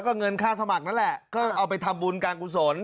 ก็ยังเอามาทำวุญการกุศล